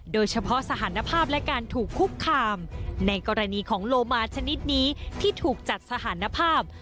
สถานภาพและการถูกคุกคามในกรณีของโลมาชนิดนี้ที่ถูกจัดสถานภาพ